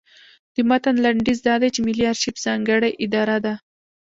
د متن لنډیز دا دی چې ملي ارشیف ځانګړې اداره ده.